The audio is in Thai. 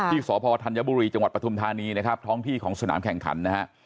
ที่สพธัญบุรีจังหวัดประถุมธานีท้องที่ของสนามแข่งขัน